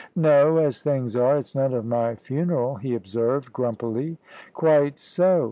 "No; as things are, it's none of my funeral," he observed, grumpily. "Quite so.